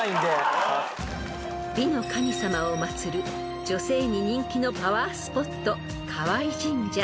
［美の神様を祭る女性に人気のパワースポット河合神社］